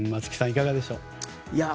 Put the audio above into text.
いかがでしょう。